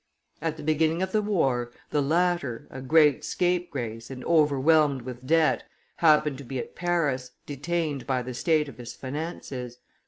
At the beginning of the war, the latter, a great scapegrace and overwhelmed with debt, happened to be at Paris, detained by the state of his finances.